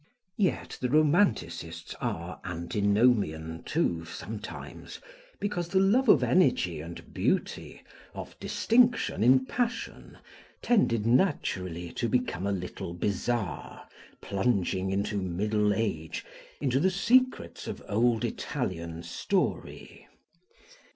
Yet the romanticists are antinomian, too, sometimes, because the love of energy and beauty, of distinction in passion, tended naturally to become a little bizarre, plunging into the Middle Age, into the secrets of old Italian story.